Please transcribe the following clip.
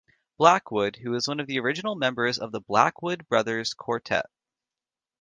Blackwood, who was one of original members of the Blackwood Brothers Quartet.